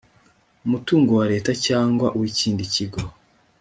umutungo wa leta cyangwa w ikindi kigo